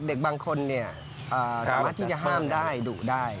เด็กบางคนสามารถที่จะห้ามได้ดุได้